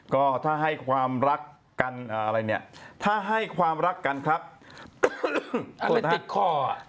ก็ถ้าให้ความรักกันอะไรเนี่ยถ้าให้ความรักกันครับคนติดคอ